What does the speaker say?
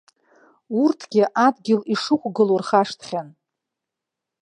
Урҭгьы адгьыл ишықәгылоу рхашҭхьан.